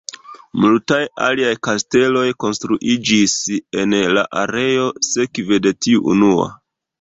Multaj aliaj kasteloj konstruiĝis en la areo sekve de tiu unua.